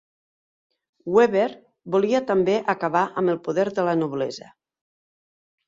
Weber volia també acabar amb el poder de la noblesa.